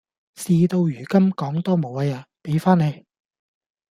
事到如今講多無謂呀，畀返你